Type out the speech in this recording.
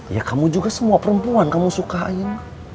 ya kamu juga semua perempuan kamu sukain